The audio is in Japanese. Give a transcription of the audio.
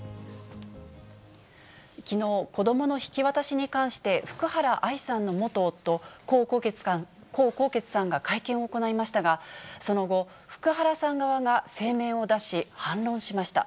きのう、子どもの引き渡しに関して、福原愛さんの元夫、江宏傑さんが会見を行いましたが、その後、福原さん側が声明を出し、反論しました。